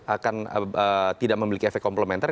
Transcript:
akan tidak memiliki efek komplementer